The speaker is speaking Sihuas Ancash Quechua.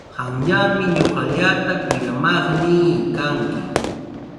Qamllami ñuqallata kuyamaqnii kanki.